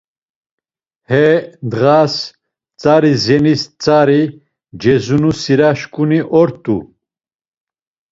He ndğas tzari zenis tzari cezunu sira şǩuni ort̆u.